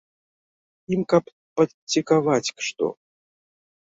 Ім каб падцікаваць што.